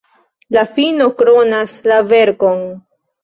La fino kronas la verkon.